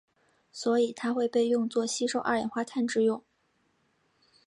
所以它会被用作吸收二氧化碳之用。